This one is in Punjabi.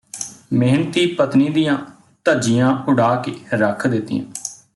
ਮੇਹਨਤੀ ਪਤਨੀ ਦੀਆਂ ਧਜੀਆਂ ਉਡਾ ਕੇ ਰੱਖ ਦਿੱਤੀਆਂ